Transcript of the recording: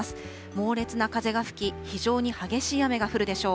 猛烈な風が吹き、非常に激しい雨が降るでしょう。